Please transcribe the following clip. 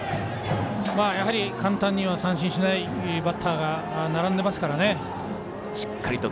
やはり簡単には三振しないバッターが並んでますからね。